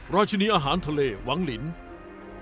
ราชินีอาหารทะเลวังลิ้นผู้หญิงของพวกเรา